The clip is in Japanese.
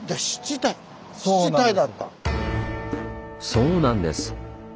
そうなんです。